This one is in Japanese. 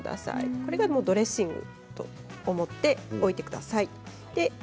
これがドレッシングと思っておいてください。